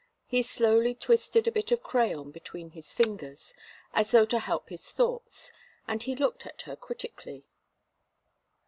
He slowly twisted a bit of crayon between his fingers, as though to help his thoughts, and he looked at her critically.